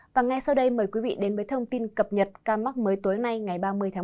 và ngay sau đây mời quý vị đến với thông tin cập nhật ca mắc mới tối nay ngày ba mươi tháng một mươi